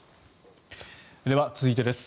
では、続いてです。